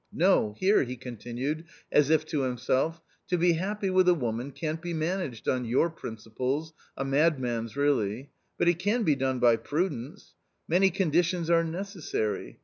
No, here," he continued as if to himself, " to be happy with a woman can't be managed on your principles, a madman's really — but it can be done by prudence — many conditions are necessary